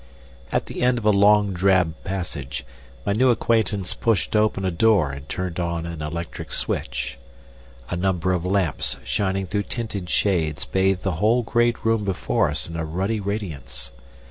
At the end of a long drab passage my new acquaintance pushed open a door and turned on an electric switch. A number of lamps shining through tinted shades bathed the whole great room before us in a ruddy radiance.